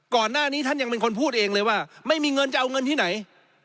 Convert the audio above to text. ก่อนหน้านี้ท่านยังเป็นคนพูดเองเลยว่าไม่มีเงินจะเอาเงินที่ไหน